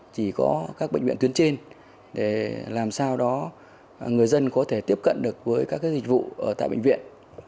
chỉ có các bệnh viện tuyến trên để làm sao đó người dân có thể tiếp cận được với các dịch vụ ở tại bệnh viện